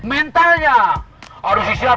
mentalnya harus siap siap